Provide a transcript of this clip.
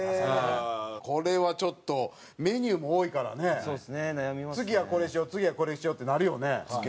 これはちょっとメニューも多いからね次はこれにしよう次はこれにしようってなるよね。